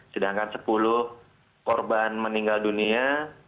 sedangkan sepuluh korban meninggal dunia